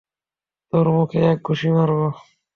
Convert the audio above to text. তোর মুখে এক ঘুষি মারব।